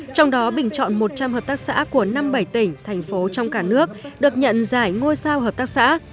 trong đó bình chọn một trăm linh hợp tác xã của năm mươi bảy tỉnh thành phố trong cả nước được nhận giải ngôi sao hợp tác xã